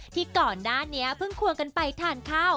ที่ก่อนหน้านี้เพิ่งควงกันไปทานข้าว